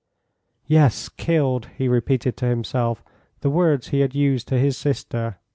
"Yes, killed," he repeated to himself, the words he had used to his sister.